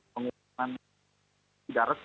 pengumuman tidak resmi